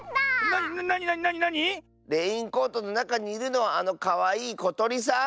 なになになに⁉レインコートのなかにいるのはあのかわいいことりさん！